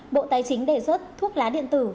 bộ tài chính đề xuất thuốc lá điện tử